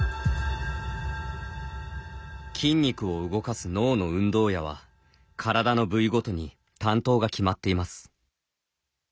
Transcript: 筋肉を動かす脳の運動野は体の部位ごとに担当が決まっています。